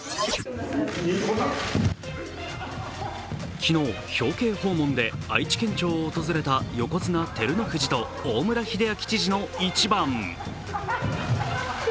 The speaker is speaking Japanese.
昨日、表敬訪問で愛知県庁を訪れた横綱・照ノ富士と大村秀章知事の一番。